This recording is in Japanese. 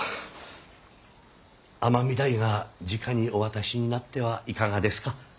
尼御台がじかにお渡しになってはいかがですか。